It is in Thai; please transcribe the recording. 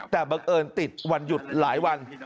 แต่บังเอิญติดวันหยุดหลายวัน